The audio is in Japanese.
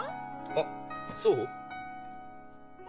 あっそう？